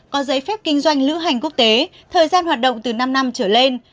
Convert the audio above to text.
có giấy phép kinh doanh lữ hành quốc tế thời gian hoạt động từ năm năm trở lên